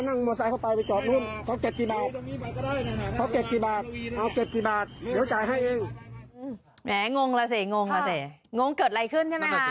งงล่ะสิกระเบียบงงเกิดอะไรขึ้นใช่ไหมคะนั่นอยู่เออ